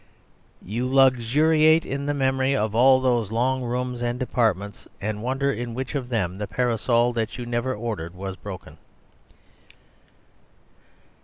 You luxuriate in the memory of all those long rooms and departments and wonder in which of them the parasol that you never ordered was broken.